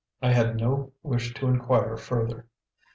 I had no wish to inquire further.